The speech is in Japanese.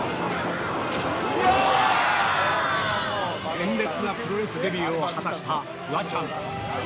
鮮烈なプロレスデビューを果たしたフワちゃん。